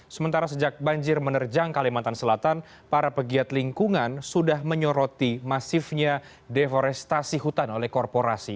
sementara sejak banjir menerjang kalimantan selatan para pegiat lingkungan sudah menyoroti masifnya deforestasi hutan oleh korporasi